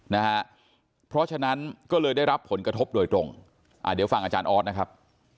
นะฮะเพราะฉะนั้นก็เลยได้รับผลกระทบโดยตรงอ่าเดี๋ยวฟังอาจารย์ออสนะครับ